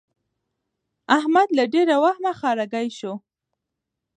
احمد له ډېره وهمه ښارګی شو.